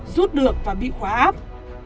rút được và bị khóa app